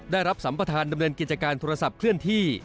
ได้รับสัมประธานดำเนินกิจการโทรศัพท์เคลื่อนที่